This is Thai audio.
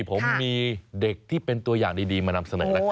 ผมมีเด็กที่เป็นตัวอย่างดีมานำเสนอนะครับ